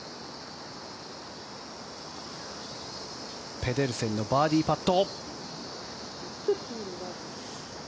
ペデルセンのバーディーパット。